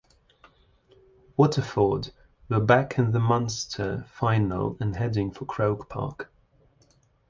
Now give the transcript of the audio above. Waterford were back in the Munster final and heading for Croke Park.